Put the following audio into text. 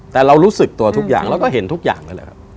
แต่เรารู้สึกตัวทุกอย่างแล้วก็เห็นทุกอย่างนั่นแหละครับ